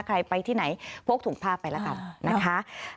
ใครไปที่ไหนพกถุงผ้าไปแล้วกันนะคะ